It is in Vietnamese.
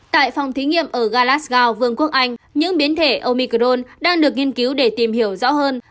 tại phòng thí nghiệm ở galasgo vương quốc anh những biến thể omicron đang được nghiên cứu để tìm hiểu rõ hơn